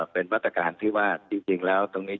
เป็นมาตรการที่ว่าจริงแล้วตรงนี้